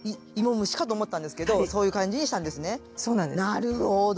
なるほど！